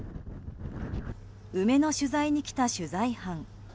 梅の取材に来た取材班。